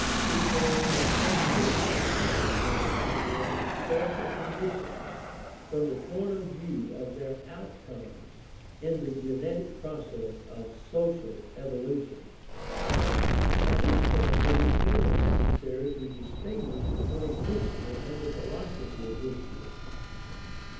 Equally indispensable is the power of evaluat ing historical conditions from the point of view of their out comes in the genetic process of social evolution. At this point it is very necessary to distinguish between history and the philosophy of history.